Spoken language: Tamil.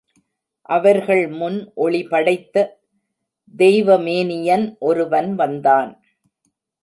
அவர்கள் முன் ஒளிபடைத்த தெய்வ மேனியன் ஒருவன் வந்தான்.